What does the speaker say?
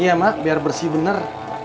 iya mak biar bersih benar